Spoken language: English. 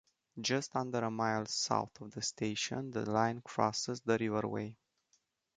Just under a mile south of the station, the line crosses the River Wey.